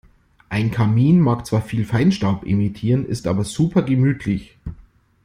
Ein Kamin mag zwar viel Feinstaub emittieren, ist aber super gemütlich.